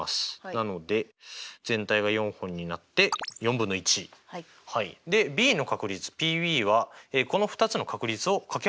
なので全体が４本になって４分の１。でＢの確率Ｐはこの２つの確率を掛け合わせればいい。